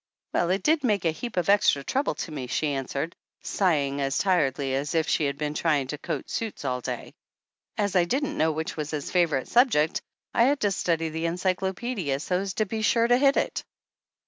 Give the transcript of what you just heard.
"Well, it did make a heap of extra trouble to me," she answered, sighing as tiredly as if she had been trying on coat suits all day. "As I didn't know which was his favorite subject I had to study the encyclopedia so as to be sure to hit it."